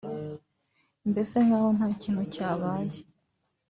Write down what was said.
mbese nkaho nta kintu cyabaye